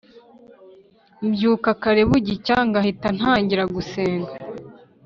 Mbyuka kare bugicya ngahita ntangira gusenga